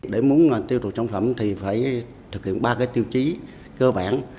để muốn tiêu thụ trang phẩm thì phải thực hiện ba tiêu chí cơ bản